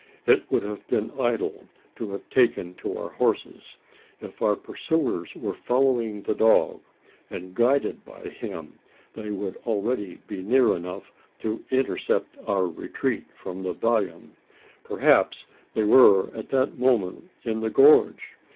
It would have been idle to have taken to our horses. If our pursuers were following the dog, and guided by him, they would already be near enough to intercept our retreat from the vallon? Perhaps they were at that moment in the gorge?